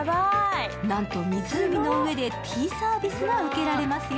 なんと湖の上でティーサービスが受けられますよ。